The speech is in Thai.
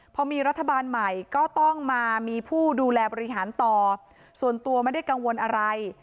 พอมีรัฐบาลใหม่ก็ต้องมามีผู้ดูแลบริหารต่อส่วนตัวไม่ได้กังวลอะไร